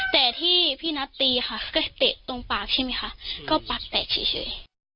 แต่ที่พี่นัทตีค่ะก็เตะตรงปากใช่ไหมคะก็ปากแตกเฉย